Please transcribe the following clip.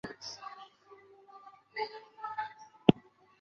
且他把大部分从富有的病人那榨取出的钱捐给了慈善机构。